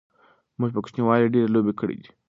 موږ په کوچنیوالی ډیری لوبی کړی دی